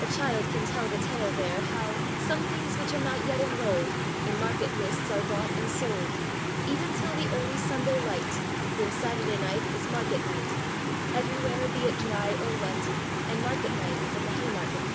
A child can tell the tale there, how Some things which are not yet enroll'd In market lists are bought and sold Even till the early Sunday light, When Saturday night is market night Everywhere, be it dry or wet, And market night in the Haymarket.